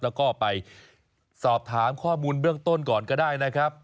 แล้วก็ไปสอบถามข้อมูลเบื้องต้นก่อนก็ได้นะครับ